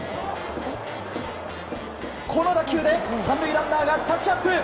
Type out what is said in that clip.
この打球で３塁ランナーがタッチアップ。